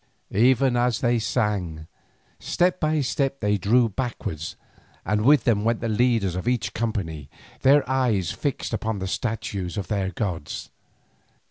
Ever as they sang, step by step they drew backwards, and with them went the leaders of each company, their eyes fixed upon the statues of their gods.